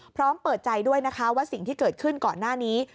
พร้อมเปิดใจด้วยนะคะว่าสิ่งที่เกิดขึ้นก่อนหน้านี้